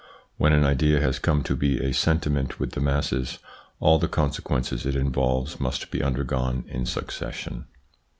When an idea has come to be a sentiment with the masses, all the consequences it involves must be undergone in succession.